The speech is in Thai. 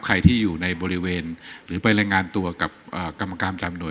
ใครที่อยู่ในบริเวณหรือไปรายงานตัวกับกรรมการประจำหน่วย